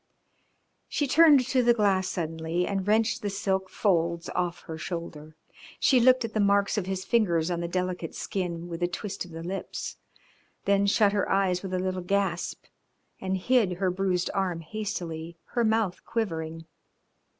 She turned to the glass suddenly and wrenched the silk folds off her shoulder. She looked at the marks of his fingers on the delicate skin with a twist of the lips, then shut her eyes with a little gasp and hid her bruised arm hastily, her mouth quivering.